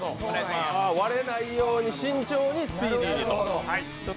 割れないように慎重にスピーディーにと。